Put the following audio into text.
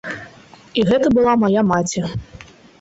І гэта была мая маці.